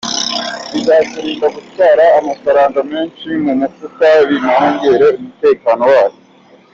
Bizaturinda gutwara amafaranga menshi mu mufuka, binongere umutekano wayo.